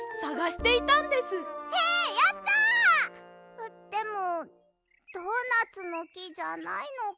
あっでもドーナツのきじゃないのか。